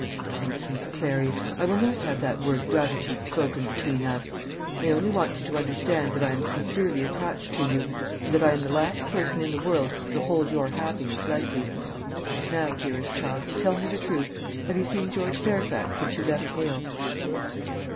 "Nonsense, Clary; I will not have that word gratitude spoken between us. I only want you to understand that I am sincerely attached to you, and that I am the last person in the world to hold your happiness lightly. And now, dearest child, tell me the truth have you seen George Fairfax since you left Hale?"